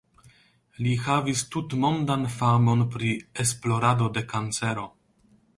Li havis tutmondan famon pri esplorado de kancero.